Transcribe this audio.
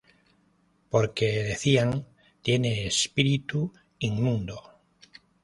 Porque decían: Tiene espíritu inmundo.